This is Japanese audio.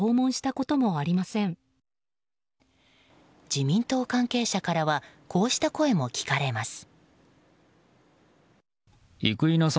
自民党関係者からはこうした声も聞かれます。